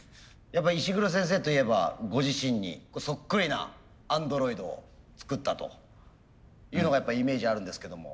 やっぱ石黒先生といえばご自身にそっくりなアンドロイドを作ったというのがやっぱイメージあるんですけども。